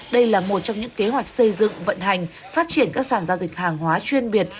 đây là một trong những kế hoạch xây dựng vận hành phát triển các sản giao dịch hàng hóa chuyên biệt